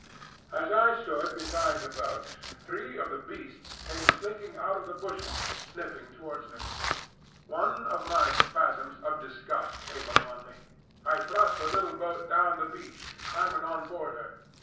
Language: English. As I stood beside the boat, three of the Beasts came slinking out of the bushes and sniffing towards me. One of my spasms of disgust came upon me. I thrust the little boat down the beach and clambered on board her.